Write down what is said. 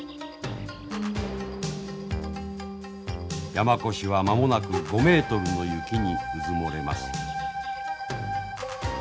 山古志は間もなく５メートルの雪にうずもれます。